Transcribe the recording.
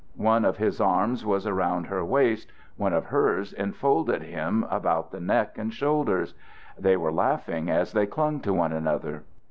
One of his arms was around her waist, one of hers enfolded him about the neck and shoulders; they were laughing as they clung to one another.